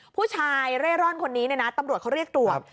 ผู้ชายเร่ร่อนตำรวจเรียกตรวจ